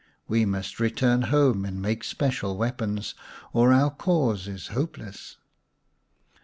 We must return home and make special weapons, or our cause is hopeless."